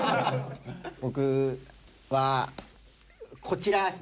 僕はこちらですね。